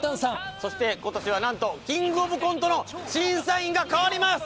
そして今年はなんと「キングオブコント」の審査員が変わります